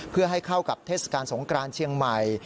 เพื่อให้เข้ากับเทศกาลสงกรานเชียงใหม่